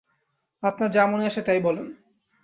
আপনার যা মনে আসে তাই বলেন।